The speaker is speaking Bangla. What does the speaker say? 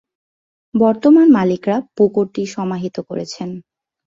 বর্তমান মালিকরা পুকুরটি সমাহিত করেছেন।